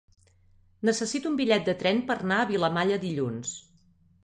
Necessito un bitllet de tren per anar a Vilamalla dilluns.